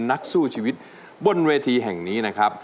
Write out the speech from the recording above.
นักสู้ชีวิตบนเวทีแห่งนี้นะครับ